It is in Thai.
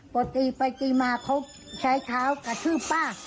พอตีไปตีมาเขาใช้เท้ากระทืบป้า